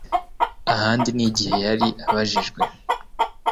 ahandi ni igihe yari abajijjwe